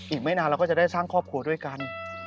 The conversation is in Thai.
อีกไม่นานเราก็จะได้สร้างครอบครัวด้วยกัน